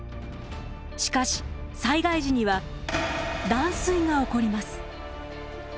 しかし災害時には断水が起こります。